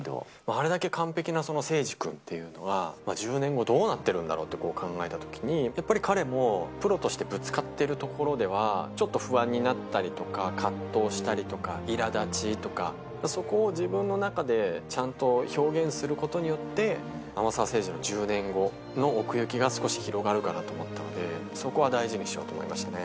あれだけ完璧な聖司君というのは、１０年後どうなってるんだろうって考えたときに、やっぱり彼もプロとしてぶつかってるところでは、ちょっと不安になったりとか、葛藤したりとか、いらだちとか、そこを自分の中でちゃんと表現することによって、天沢聖司の１０年後の奥行きが少し広がるかなと思ったので、そこは大事にしようと思いましたね。